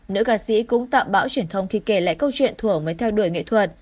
nữ ca sĩ cũng tạm bão truyền thông khi kể lại câu chuyện thủ mới theo đuổi nghệ thuật